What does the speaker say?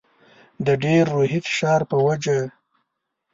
د ډېر روحي فشار په وجه.